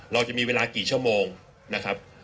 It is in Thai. เราจะมีเวลากี่ชั่วโมงนะครับ